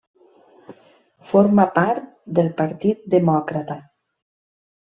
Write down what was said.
Formà part del Partit Demòcrata.